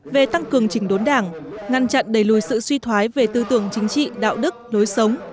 về tăng cường chỉnh đốn đảng ngăn chặn đẩy lùi sự suy thoái về tư tưởng chính trị đạo đức lối sống